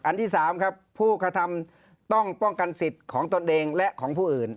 ที่๓ครับผู้กระทำต้องป้องกันสิทธิ์ของตนเองและของผู้อื่น